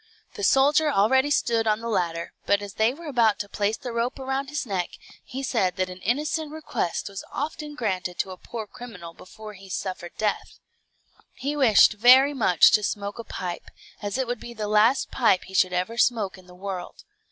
The soldier already stood on the ladder; but as they were about to place the rope around his neck, he said that an innocent request was often granted to a poor criminal before he suffered death. He wished very much to smoke a pipe, as it would be the last pipe he should ever smoke in the world.